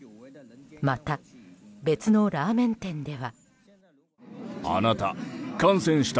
また、別のラーメン店では。